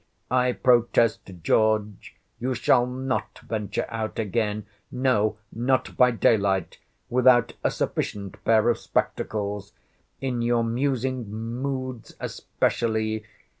I protest, George, you shall not venture out again—no, not by daylight—without a sufficient pair of spectacles—in your musing moods especially.